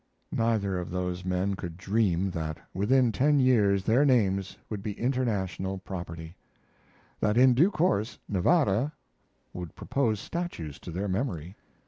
Neither of those men could dream that within ten years their names would be international property; that in due course Nevada would propose statues to their memory.